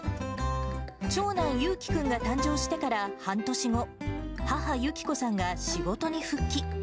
長男、由貴君が誕生してから半年後、母、由希子さんが仕事に復帰。